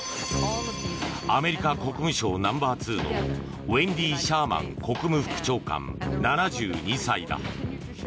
アメリカ国務省ナンバー２のウェンディ・シャーマン国務副長官、７２歳だ。